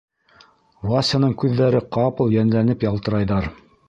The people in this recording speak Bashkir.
— Васяның күҙҙәре ҡапыл йәнләнеп ялтырайҙар.